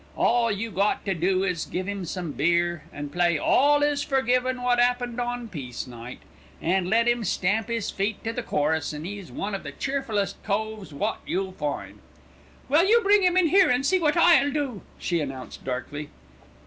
"All you got to do is to give 'im some beer, play 'All is Forgiven Wot 'Appened on Peace Night,' an' let 'im stamp 'is feet to the chorus, an' 'e's one of the cheerfullest coves wot you'll find." "Well, you bring him here and see what I'll do," she announced darkly.